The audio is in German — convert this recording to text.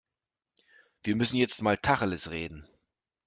Wir müssen jetzt mal Tacheles reden.